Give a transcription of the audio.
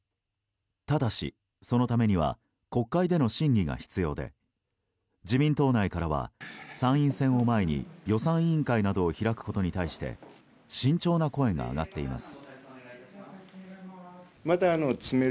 ただし、そのためには国会での審議が必要で自民党内からは参院選を前に予算委員会などを開くことに対して慎重な声が上がっています。